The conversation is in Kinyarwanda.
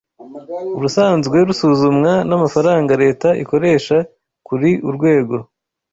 urusanzwe rusuzumwa n’amafaranga leta ikoresha kuri urwego